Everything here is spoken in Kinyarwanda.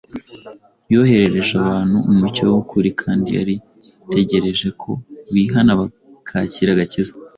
yoherereje abantu umucyo w’ukuri; kandi yari itegereje ko bihana bakakira agakiza.